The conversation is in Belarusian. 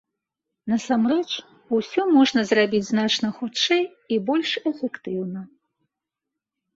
Насамрэч, усё можна зрабіць значна хутчэй і больш эфектыўна.